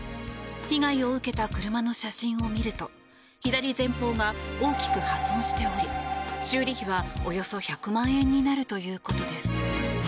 被害を受けた車の写真を見ると左前方が大きく破損しており修理費はおよそ１００万円になるということです。